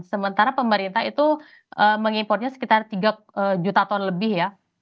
sementara pemerintah itu mengimportnya sekitar tiga juta ton lebih ya